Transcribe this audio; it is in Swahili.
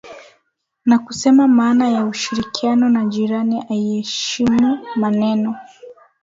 Na kusema maana ya ushirikiano na jirani aiyeheshimu maneno